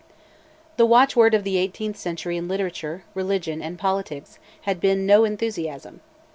The watchword of the eighteenth century in literature, religion, and politics had been "no enthusiasm."